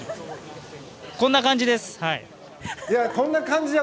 こんな感じです。